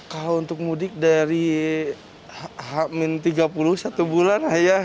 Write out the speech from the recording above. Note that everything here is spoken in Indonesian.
kalau untuk mudik dari hamin tiga puluh satu bulan ayah